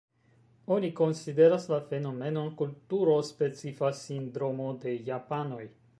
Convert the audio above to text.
Oni konsideras la fenomenon, kulturo-specifa sindromo de Japanoj.